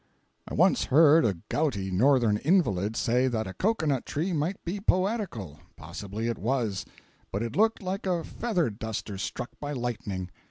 I once heard a gouty northern invalid say that a cocoanut tree might be poetical, possibly it was; but it looked like a feather duster struck by lightning.